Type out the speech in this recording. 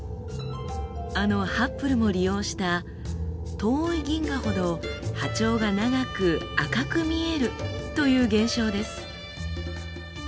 あのハッブルも利用した「遠い銀河ほど波長が長く赤く見える」という現象です。